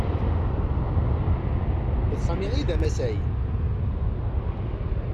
D Sami ay d amasay.